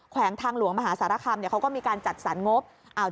วงทางหลวงมหาสารคามเขาก็มีการจัดสรรงบ